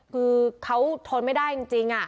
คือเขาทนไม่ได้จริง